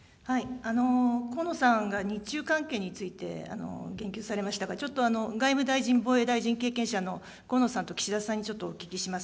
河野さんが日中関係について言及されましたが、ちょっと外務大臣、防衛大臣経験者の河野さんと岸田さんにちょっとお聞きします。